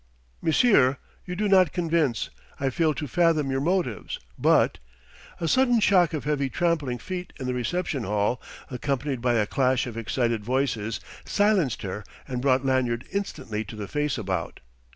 "Monsieur you do not convince. I fail to fathom your motives, but " A sudden shock of heavy trampling feet in the reception hall, accompanied by a clash of excited voices, silenced her and brought Lanyard instantly to the face about.